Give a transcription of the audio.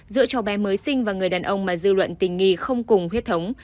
giữa cháu bé mới sinh và người đàn ông mà dư luận tình nghi không cùng huyết thống